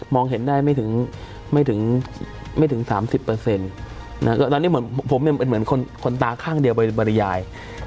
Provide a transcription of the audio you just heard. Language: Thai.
มองเห็นได้ไม่ถึง๓๐ตอนนี้ผมเป็นเหมือนคนตาข้างเดียวบริยาย